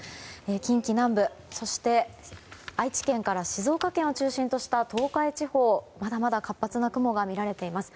近畿南部、そして愛知県から静岡県を中心とした東海地方、まだまだ活発な雲がみられています。